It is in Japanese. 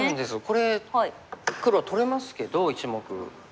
これ黒取れますけど１目。